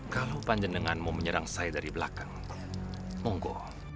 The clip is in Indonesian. kalau panjenengan mau menyerang saya dari belakang monggo